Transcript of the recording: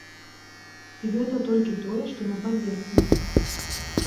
І гэта толькі тое, што на паверхні.